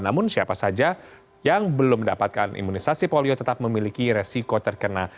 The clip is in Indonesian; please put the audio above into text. namun siapa saja yang belum mendapatkan imunisasi polio tetap memiliki resiko terkena